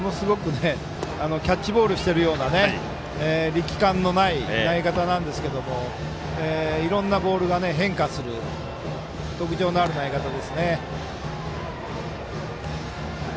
キャッチボールをしているような力感のない投げ方なんですがいろいろなボールが変化する特徴のある投げ方ですよね。